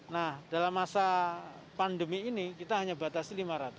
nah dalam masa pandemi ini kita hanya batasi lima ratus